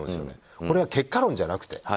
これは結果論じゃなくて。